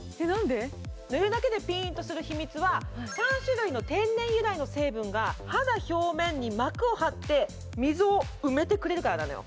塗るだけでピンとする秘密は３種類の天然成分が肌表面に膜を張って溝を埋めてくれるからなのよ。